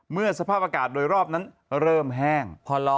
สภาพอากาศโดยรอบนั้นเริ่มแห้ง